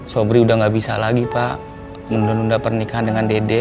sobri udah gak bisa lagi pak menunda nunda pernikahan dengan dede